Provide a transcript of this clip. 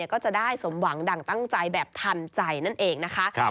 ก็จะได้สมหวังดั่งตั้งใจแบบทันใจนั่นเองนะคะ